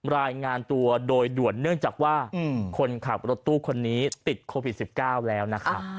รายงานตัวโดยด่วนเนื่องจากว่าคนขับรถตู้คนนี้ติดโควิด๑๙แล้วนะครับ